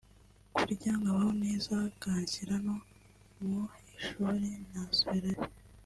kurya nkabaho neza akanshyira no mu ishuli nasubirayo”